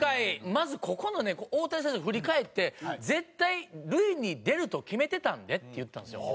まずここのね大谷選手を振り返って「絶対塁に出ると決めてたんで」って言ったんですよ。